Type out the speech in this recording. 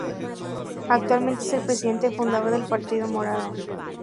Actualmente es el presidente fundador del Partido Morado.